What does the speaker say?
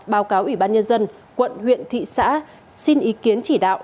báo cáo ủy ban nhân dân quận huyện thị xã xin ý kiến chỉ đạo